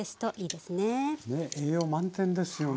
栄養満点ですよね。